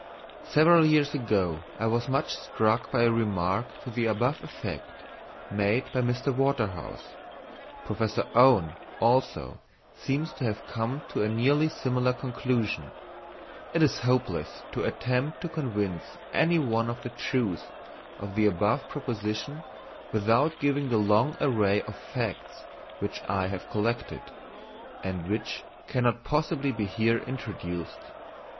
_ Several years ago I was much struck by a remark to the above effect made by Mr. Waterhouse. Professor Owen, also, seems to have come to a nearly similar conclusion. It is hopeless to attempt to convince any one of the truth of the above proposition without giving the long array of facts which I have collected, and which cannot possibly be here introduced.